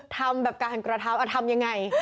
ธรรมแบบการกระท้าวทำอย่างไร